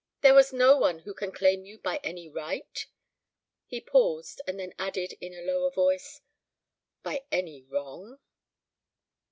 There is no one who can claim you by any right " He paused; and then added, in a lower voice, "by any wrong?"